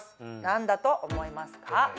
何だと思いますか？